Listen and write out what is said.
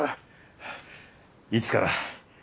いつから？